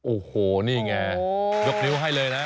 โอ้โหนี่ไงยกนิ้วให้เลยนะ